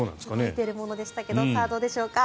動いているものでしたがどうでしょうか。